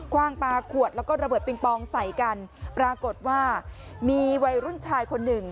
ว่างปลาขวดแล้วก็ระเบิดปิงปองใส่กันปรากฏว่ามีวัยรุ่นชายคนหนึ่ง